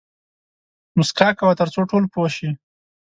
موسکا کوه تر څو ټول پوه شي